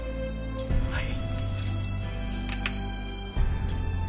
はい。